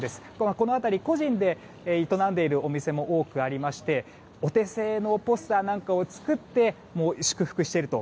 この辺り個人で営んでいるお店も多くありましてお手製のポスターなんかを作って祝福していると。